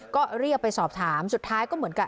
ก็เรียกไปสอบถามสุดท้ายก็เหมือนกับ